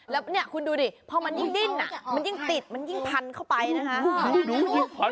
แล้วเนี่ยคุณดูดิพอมันยิ่งดิ้นมันยิ่งติดมันยิ่งพันเข้าไปนะคะ